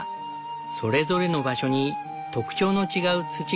それぞれの場所に特徴の違う土がある。